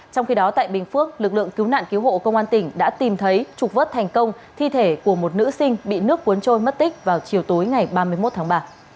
trong khi đó tại bình phước lực lượng cứu nạn cứu hộ công an tỉnh đã tìm thấy trục vớt thành công thi thể của một nữ sinh bị nước cuốn trôi mất tích vào chiều tối ngày ba mươi một tháng ba